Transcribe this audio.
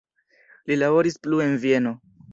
Li laboris plu en Vieno.